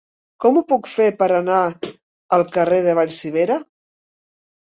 Com ho puc fer per anar al carrer de Vallcivera?